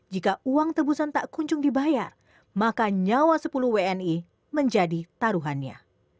jika uang tebusan tak kunjung dibayar maka nyawa sepuluh wni menjadi taruhannya